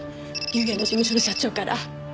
竜也の事務所の社長から。